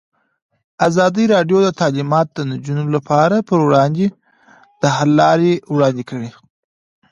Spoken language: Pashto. ازادي راډیو د تعلیمات د نجونو لپاره پر وړاندې د حل لارې وړاندې کړي.